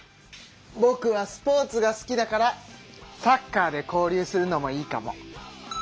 ぼくはスポーツが好きだからサッカーで交流するのもいいかも。